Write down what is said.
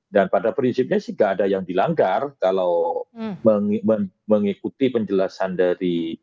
dan pada prinsipnya sih nggak ada yang dilanggar kalau mengikuti penjelasan dari